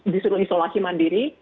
disuruh isolasi mandiri